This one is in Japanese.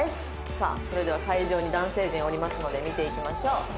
さあそれでは会場に男性陣おりますので見ていきましょう。